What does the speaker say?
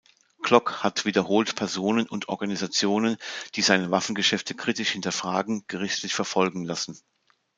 Glock hat wiederholt Personen und Organisationen, die seine Waffengeschäfte kritisch hinterfragen, gerichtlich verfolgen lassen.